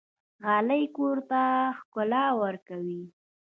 غالۍ کور ته ښکلا ورکوي.